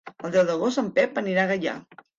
El deu d'agost en Pep anirà a Gaià.